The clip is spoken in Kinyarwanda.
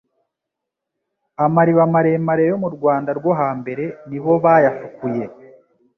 Amariba maremare yo mu Rwanda rwo hambere nibo bayafukuye.